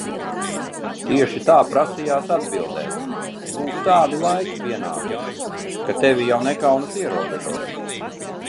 Tieši tā prasījās atbildēt. Lūk tādi laiki pienākuši, ka tevi jau nekaunas ierobežot.